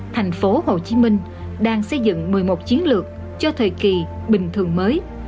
thành phố hồ chí minh đang xây dựng một mươi một chiến lược cho thời kỳ bình thường mới